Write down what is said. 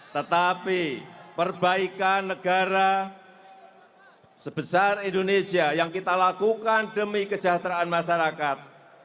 tetapi perbaikan negara sebesar indonesia yang kita lakukan demi kejahteraan masyarakat